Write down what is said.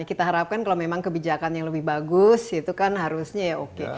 kita harapkan kalau memang kebijakan yang lebih bagus itu kan harusnya ya oke